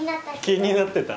気になってた？